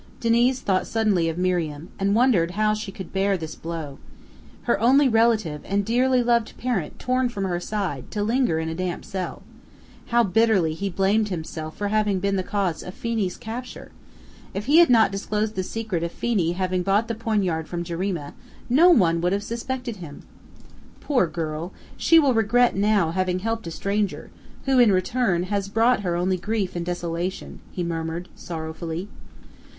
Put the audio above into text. Diniz thought suddenly of Miriam, and wondered how she would bear this blow. Her only relative and dearly loved parent torn from her side, to linger in a damp cell. How bitterly he blamed himself for having been the cause of Phenee's capture! If he had not disclosed the secret of Phenee having bought the poignard from Jarima, no one would have suspected him. "Poor girl! She will regret now having helped a stranger, who, in return, has brought her only grief and desolation," he murmured, sorrowfully.